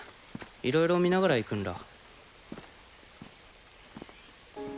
いろいろ見ながら行くんら。